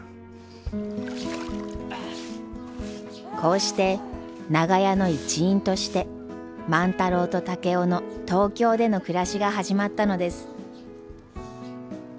こうして長屋の一員として万太郎と竹雄の東京での暮らしが始まったのです。